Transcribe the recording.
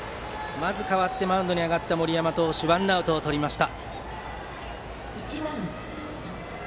まず代わってマウンドに上がった森山投手ワンアウトをとりました。